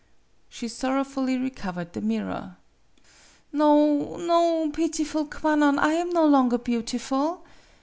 She sorrowfully recovered the mirror. "No no; pitiful Kwannon, I am no longer beautiful!